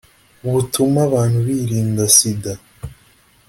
butuma abantu birinda sida.